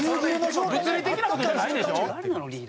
物理的な事じゃないんでしょ？